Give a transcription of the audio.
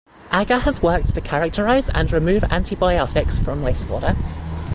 Aga has worked to characterise and remove antibiotics from wastewater.